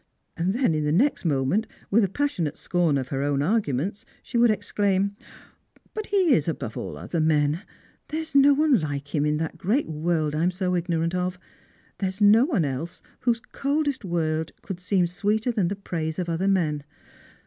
And then, in the next moment, with a passionate scorn of her own arguments, she would exclaim: —" But he is above all other men ! There is no one like him in that great world I am so ignorant of. Thei'e is no one else whose coldest word could seem sweeter than the praise of other men.